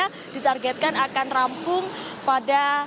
dan juga ditargetkan akan rampungnya